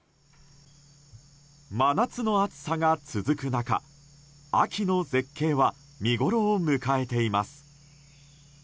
真夏の暑さが続く中秋の絶景は見ごろを迎えています。